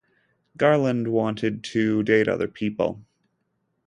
Garland wanted to date other people.